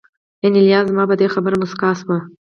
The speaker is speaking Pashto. انیلا زما په دې خبره موسکه شوه